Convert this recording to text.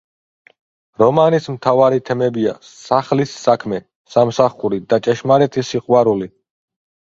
რომანის მთავარი თემებია: „სახლის საქმე, სამსახური და ჭეშმარიტი სიყვარული“.